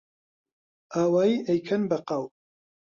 ئاوایی ئەیکەن بە قاو